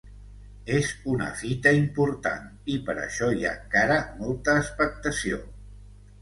És una fita important i per això hi ha encara molta expectació.